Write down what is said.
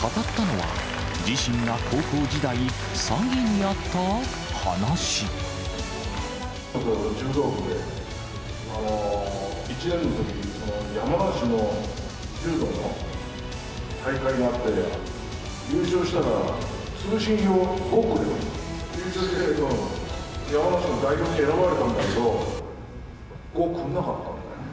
語ったのは、自身が高校時代、俺、柔道部で１年のときに山梨の柔道の大会があって、優勝したら、通信表、５くれるって。優勝して山梨の代表に選ばれたんだけど、５くれなかったんだよ。